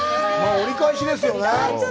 折り返しですよね。